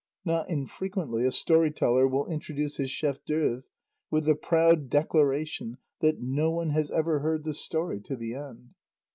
Not infrequently a story teller will introduce his chef d'oeuvre with the proud declaration that "no one has ever heard this story to the end."